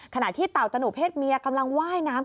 ขณะที่เต่าตนุเพศเมียกำลังไหว้น้ำ